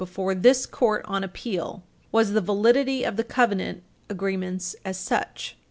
9 before this Court on appeal, was the validity of the covenant agreements as such.